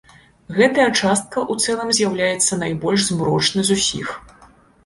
Гэтая частка ў цэлым з'яўляецца найбольш змрочнай з усіх.